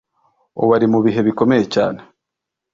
Ubu ari mubihe bikomeye cyane.